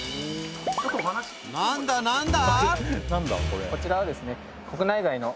何だ何だ？